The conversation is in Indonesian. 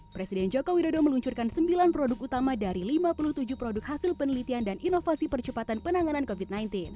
presiden joko widodo meluncurkan sembilan produk utama dari lima puluh tujuh produk hasil penelitian dan inovasi percepatan penanganan covid sembilan belas